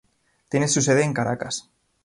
Tiene su sede en Caracas.